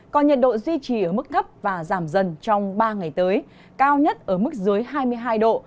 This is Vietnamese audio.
còn nhiệt độ duy trì ở mức thấp và giảm dần trong ba ngày tới cao nhất ở mức dưới hai mươi hai độ